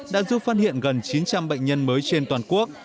đã giúp phát hiện gần chín trăm linh bệnh nhân mới trên toàn quốc